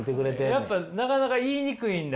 やっぱなかなか言いにくいんだ？